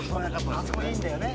「あそこにいるんだよね」